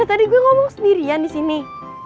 dari tadi gue ngomong sendirian disini